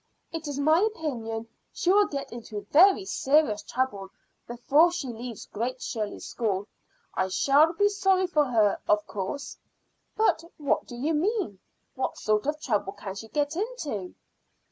It is my opinion she will get into very serious trouble before she leaves Great Shirley School. I shall be sorry for her, of course." "But what do you mean? What sort of trouble can she get into?"